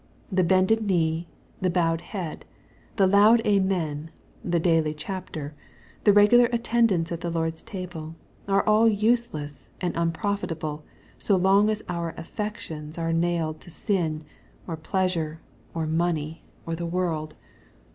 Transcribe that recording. The bended knee, the bowed head, the loud amen, the daily chapter, the regular attendance at the Lord's table, are all useless and unprofitable, so long as our affections are nailed to sin, or pleasure, or money, ox MATTHEW, CHAP. XV. 175 file world.